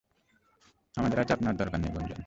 আমাদের আর চাপ নেয়ার দরকার নেই গুঞ্জন।